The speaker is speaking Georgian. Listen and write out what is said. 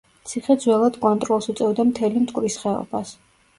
ციხე ძველად კონტროლს უწევდა მთელი მტკვრის ხეობას.